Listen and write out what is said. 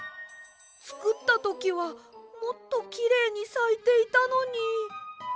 つくったときはもっときれいにさいていたのに。